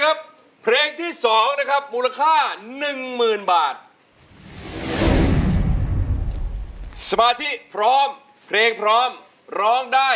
อันนี้แบบว่าอย่างไรครับ